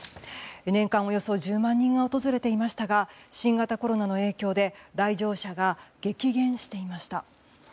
年間およそ１０万人が訪れていましたが新型コロナの影響で来場者が激減していました。